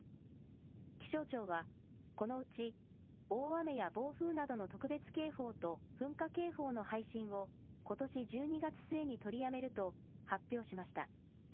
気象庁は、このうち大雨や暴風などの特別警報と噴火警報の配信を、ことし１２月末に取りやめると発表しました。